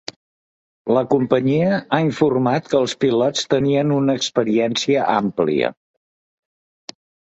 La companyia ha informat que els pilots tenien una experiència àmplia.